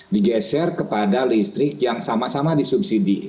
digeser kepada listrik yang sama sama disubsidi